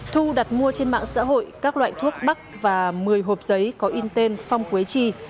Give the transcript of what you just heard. thu đặt mua trên mạng xã hội các loại thuốc bắc và một mươi hộp giấy có in tên phong quế trì